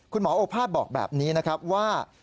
คุณหมอโอภาสบอกแบบนี้นะครับว่า